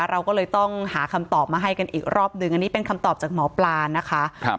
เราก็เลยต้องหาคำตอบมาให้กันอีกรอบหนึ่งอันนี้เป็นคำตอบจากหมอปลานะคะ